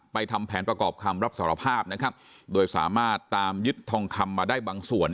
ทำแผนประกอบคำรับสารภาพนะครับโดยสามารถตามยึดทองคำมาได้บางส่วน